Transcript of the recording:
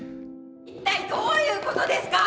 一体どういうことですか？